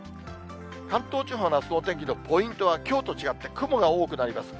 関東地方のあすのお天気のポイントはきょうと違って雲が多くなります。